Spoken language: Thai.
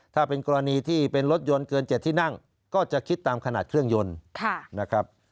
ถ้าเป็นกรณีที่เป็นรถยนต์เกิน๗ที่นั่งก็จะคิดตามขนาดเครื่องยนต์นะครับ